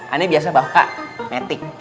ini biasa bawa metik